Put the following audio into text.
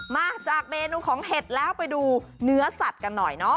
มาจากเมนูของเห็ดแล้วไปดูเนื้อสัตว์กันหน่อยเนาะ